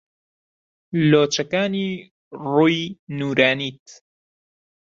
لۆچەکانی ڕووی نوورانیت